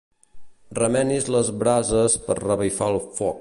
Remenis les brases per revifar el foc.